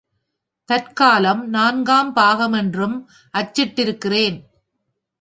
தற்காலம் நான்காம் பாகமென்றும் அச்சிட்டிருக்கிறேன்.